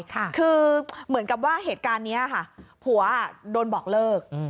ค่ะคือเหมือนกับว่าเหตุการณ์เนี้ยค่ะผัวอ่ะโดนบอกเลิกอืม